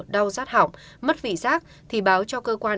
đau rát hỏng mất vị rác thì báo cho cơ quan y tế